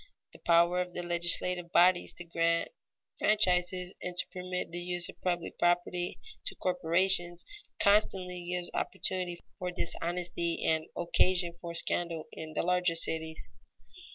The power of the legislative bodies to grant franchises and to permit the use of public property to corporations, constantly gives opportunity for dishonesty and occasion for scandal in the larger cities.